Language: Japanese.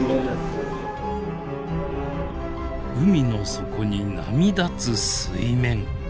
海の底に波立つ水面。